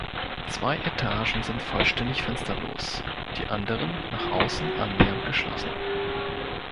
Zwei Etagen sind vollständig fensterlos, die anderen nach außen annähernd geschlossen.